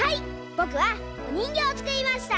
ぼくはおにんぎょうをつくりました。